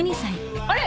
あれ？